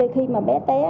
khi mà bé té